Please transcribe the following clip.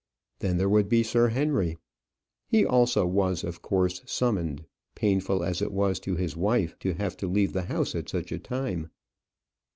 Then there would be Sir Henry. He also was, of course, summoned, painful as it was to his wife to have to leave the house at such a time.